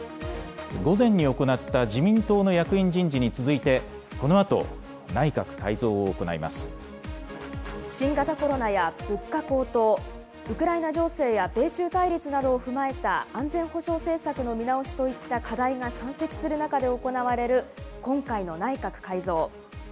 午前に行った自民党の役員人事に続いて、このあと、内閣改造を行新型コロナや物価高騰、ウクライナ情勢や米中対立などを踏まえた安全保障政策の見直しといった課題が山積する中で行われる今回の内閣改造。